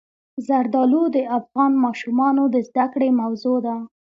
زردالو د افغان ماشومانو د زده کړې موضوع ده.